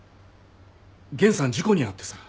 源さん事故に遭ってさ。